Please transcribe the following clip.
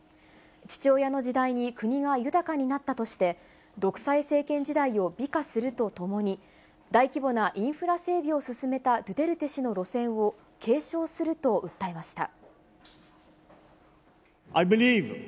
父親の時代に国が豊かになったとして、独裁政権自体を美化するとともに、大規模なインフラ整備を進めたドゥテルテ氏の路線を継承すると訴えました。